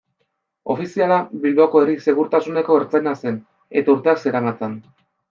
Ofiziala Bilboko herri-segurtasuneko ertzaina zen, eta urteak zeramatzan.